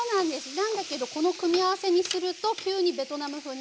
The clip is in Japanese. なんだけどこの組み合わせにすると急にベトナム風になります。